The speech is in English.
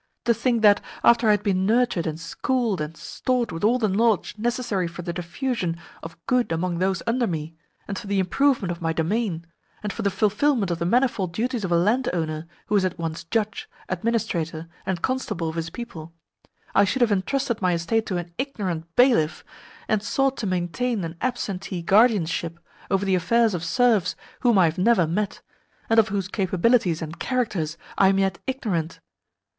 To think that, after I had been nurtured and schooled and stored with all the knowledge necessary for the diffusion of good among those under me, and for the improvement of my domain, and for the fulfilment of the manifold duties of a landowner who is at once judge, administrator, and constable of his people, I should have entrusted my estate to an ignorant bailiff, and sought to maintain an absentee guardianship over the affairs of serfs whom I have never met, and of whose capabilities and characters I am yet ignorant!